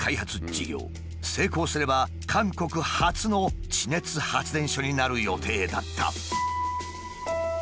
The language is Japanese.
成功すれば韓国初の地熱発電所になる予定だった。